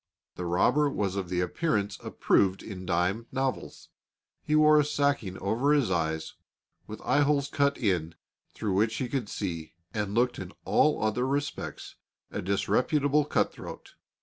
The robber was of the appearance approved in dime novels; he wore a sacking over his head with eye holes cut in it through which he could see, and looked in all other respects a disreputable cut throat.